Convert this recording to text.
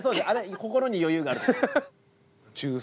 あれ心に余裕がある時。